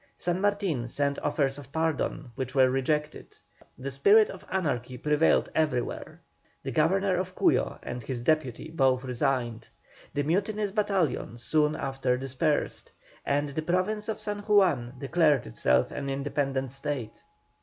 San Martin sent offers of pardon, which were rejected; the spirit of anarchy prevailed everywhere. The Governor of Cuyo and his deputy both resigned. The mutinous battalion soon after dispersed, and the Province of San Juan declared itself an independent state.